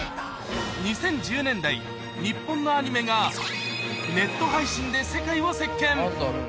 ２０１０年代、日本のアニメがネット配信で世界を席けん！